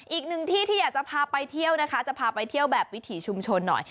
อีกหนึ่งที่ที่อยากจะพาไปเที่ยวนะคะจะพาไปเที่ยวแบบวิถีชุมชนหน่อย